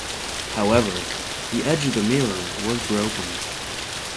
However, the edge of the mirror was broken.